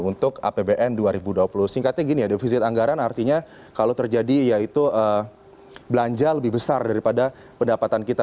untuk apbn dua ribu dua puluh singkatnya gini ya defisit anggaran artinya kalau terjadi yaitu belanja lebih besar daripada pendapatan kita